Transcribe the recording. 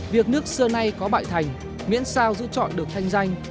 việc nước xưa nay có bại thành miễn sao giữ chọn được thanh danh